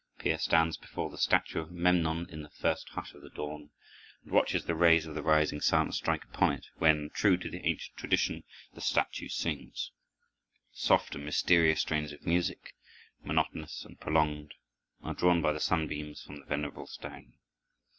Peer stands before the statue of Memnon in the first hush of the dawn, and watches the rays of the rising sun strike upon it, when, true to the ancient tradition, the statue sings. Soft and mysterious strains of music, monotonous and prolonged, are drawn by the sunbeams from the venerable stone.